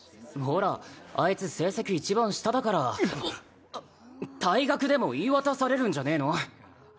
ほらあいつ成績一番下だからうっ退学でも言い渡されるんじゃねえの？